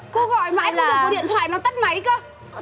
cô gọi mãi không được có điện thoại nó tắt máy cơ